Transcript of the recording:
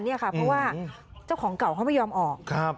เพราะว่าเจ้าของเก่าเขาไม่ยอมออก